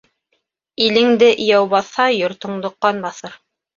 Илеңде яу баҫһа, йортоңдо ҡан баҫыр.